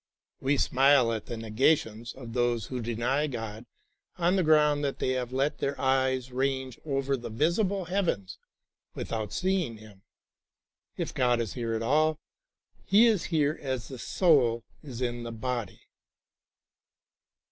We smile at the negations of those who deny God on the ground that they have let their eyes range over the visible heavens without seeing Him. If God is here at all, He is here as the soul is in the body.